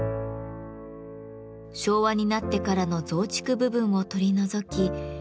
昭和になってからの増築部分を取り除き２年がかりで再生。